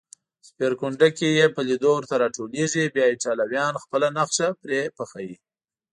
سپېرکونډکې یې په لېدو ورته راټولېږي، بیا ایټالویان خپله نښه پرې پخوي.